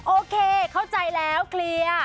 โอเคเข้าใจแล้วเคลียร์